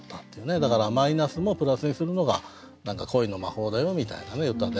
だからマイナスもプラスにするのが何か恋の魔法だよみたいな歌で。